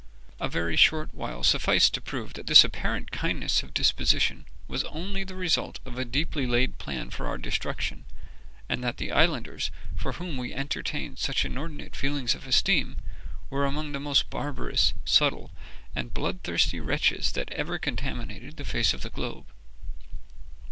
A very short while sufficed to prove that this apparent kindness of disposition was only the result of a deeply laid plan for our destruction, and that the islanders for whom we entertained such inordinate feelings of esteem, were among the most barbarous, subtle, and bloodthirsty wretches that ever contaminated the face of the globe.